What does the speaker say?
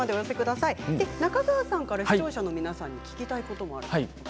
中川さんから視聴者の皆さんに聞きたいこともあるそうですね。